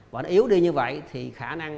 và nó yếu đi như vậy thì khả năng